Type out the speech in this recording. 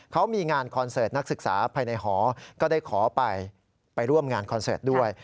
เขามีงานคอนเสิร์ตนักศึกษาภายในหอก็ได้ขอไปร่วมงานคอนเสิร์ตด้วย